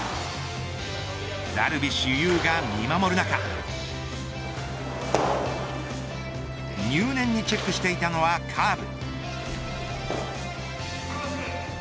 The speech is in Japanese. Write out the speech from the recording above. ダルビッシュ有が見守る中入念にチェックしていたのはカーブ。